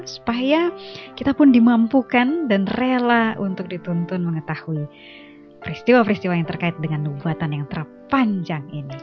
supaya kita pun dimampukan dan rela untuk dituntun mengetahui peristiwa peristiwa yang terkait dengan gugatan yang terpanjang ini